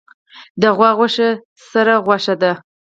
د غوا غوښه سره غوښه ده